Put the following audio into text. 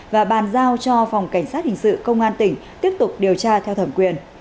và bàn giao cho phòng cảnh sát hình sự công an tỉnh tiếp tục điều tra theo thẩm quyền